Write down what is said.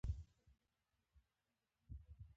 سرحدونه د افغان ماشومانو د لوبو موضوع ده.